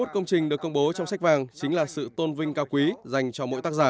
hai mươi công trình được công bố trong sách vàng chính là sự tôn vinh cao quý dành cho mỗi tác giả